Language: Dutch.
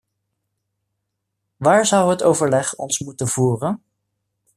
Waar zou het overleg ons moeten voeren?